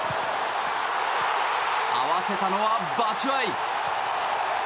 合わせたのはバチュアイ。